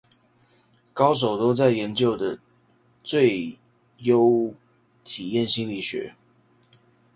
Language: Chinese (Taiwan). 高手都在研究的最優體驗心理學